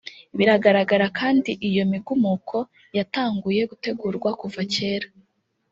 Biragaragara kandi ko iyo migumuko yatanguye gutegurwa kuva kera